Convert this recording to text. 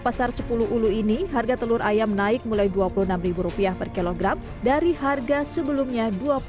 pasar sepuluh ulu ini harga telur ayam naik mulai dua puluh enam rupiah per kilogram dari harga sebelumnya